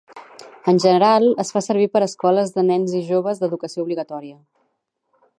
En general, es fa servir per escoles de nens i joves d'educació obligatòria.